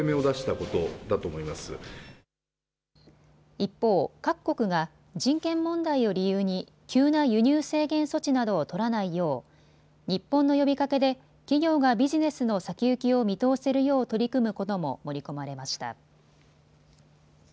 一方、各国が人権問題を理由に急な輸入制限措置などを取らないよう日本の呼びかけで企業がビジネスの先行きを見通せるよう取り組むことも盛り込まれました。